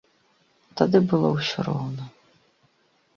Тады было ўсё роўна.